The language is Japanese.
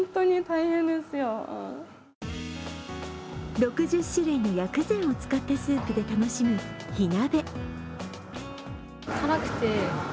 ６０種類の薬膳を使ったスープで楽しむ火鍋。